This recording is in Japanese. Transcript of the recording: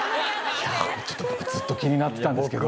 ちょっと僕ずっと気になってたんですけど。